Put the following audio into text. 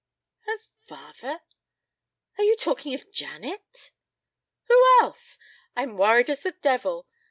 "Her father are you talking of Janet?" "Who else? I'm worried as the devil.